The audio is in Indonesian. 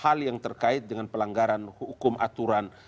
hal yang terkait dengan pelanggaran hukum aturan